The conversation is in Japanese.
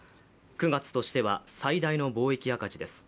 ９月としては最大の貿易赤字です。